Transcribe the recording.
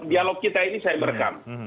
dialog kita ini saya merekam